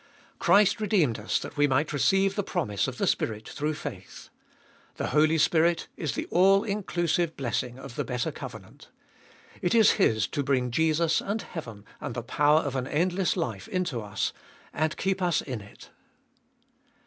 Christ redeemed us, that we might receive the promise of the Spirit through faith. The Holy Spirit is the all inclusive blessing of the better covenant. It is His to bring Jesus and heaven and the power of an endless life Into us, and keep us in it.